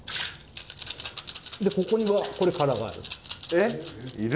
でここにはこれ空がある。